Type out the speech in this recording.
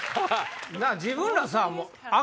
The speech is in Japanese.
自分らさ。